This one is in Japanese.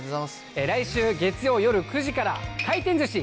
来週月曜日夜９時から、回転寿司！